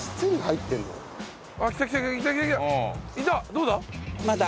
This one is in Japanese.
どうだ？